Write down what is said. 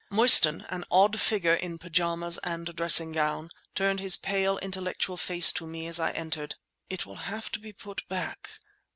Mostyn, an odd figure in pyjamas and dressing gown, turned his pale, intellectual face to me as I entered. "It will have to be put back